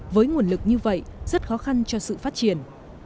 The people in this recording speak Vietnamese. với nguồn lực như vậy rất khó khăn cho sự phát triển